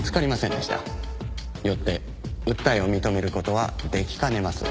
よって訴えを認めることはできかねます。